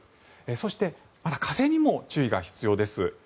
そして、また風にも注意が必要です。